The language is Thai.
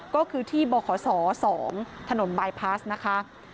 ก็คือที่บขศ๒ถนนบายพลาสนะคะ